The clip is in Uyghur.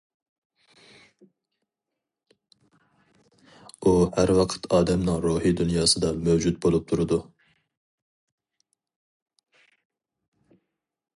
ئۇ ھەر ۋاقىت ئادەمنىڭ روھىي دۇنياسىدا مەۋجۇت بولۇپ تۇرىدۇ.